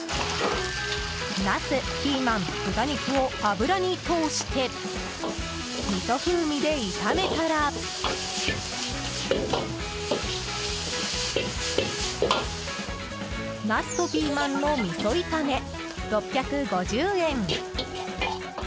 ナス、ピーマン、豚肉を油に通して、みそ風味で炒めたらなすとピーマンの味噌炒め６５０円。